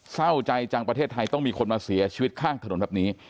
เศร้าใจจังประเทศไทยต้องมีคนมาเสียชีวิตข้างถนนแบบนี้